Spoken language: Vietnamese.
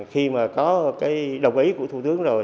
khi mà có cái đồng ý của thủ tướng rồi